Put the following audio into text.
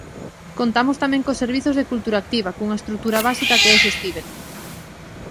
Contamos tamén cos servizos de Culturactiva cunha estrutura básica que é sostíbel.